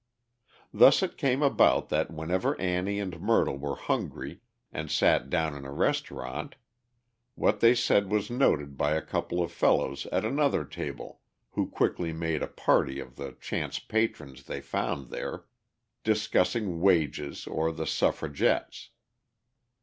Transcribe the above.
Thus it came about that whenever Annie and Myrtle were hungry, and sat down in a restaurant, what they said was noted by a couple of fellows at another table, who quickly made a party of the chance patrons they found there, discussing wages or the suffragettes.